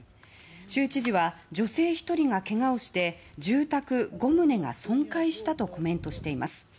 州知事は女性１人がけがをして住宅５棟が損壊したとコメントしています。